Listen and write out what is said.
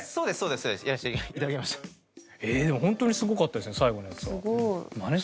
でもホントにすごかったですね